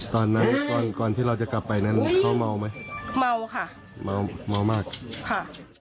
ก่อนนั้นก่อนก่อนที่เราจะกลับไปนั้นเขาเมาไหมเมาค่ะเมาเมามากค่ะ